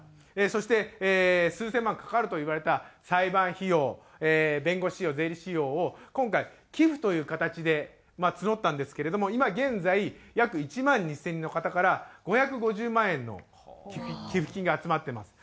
そして数千万かかるといわれた裁判費用弁護士費用税理士費用を今回寄付という形で募ったんですけれども今現在約１万２０００人の方から５５０万円の寄付金が集まってます。